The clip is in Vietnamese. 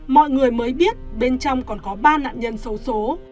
mọi người mới biết bên trong còn có ba nạn nhân sâu xố